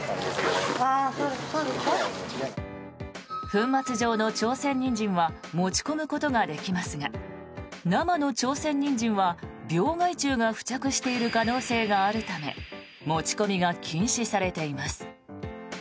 粉末状の朝鮮ニンジンは持ち込むことができますが生の朝鮮ニンジンは病害虫が付着している可能性があるため持ち込みが禁止されています。